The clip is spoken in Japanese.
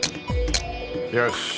よし。